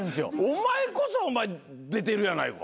お前こそ出てるやないか。